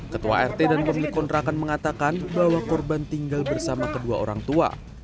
ketua rt dan pemilik kontrakan mengatakan bahwa korban tinggal bersama kedua orang tua